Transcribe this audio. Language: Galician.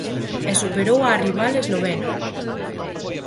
E superou á rival eslovena.